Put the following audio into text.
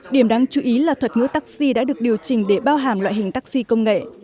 điểm đáng chú ý là thuật ngữ taxi đã được điều chỉnh để bao hàm loại hình taxi công nghệ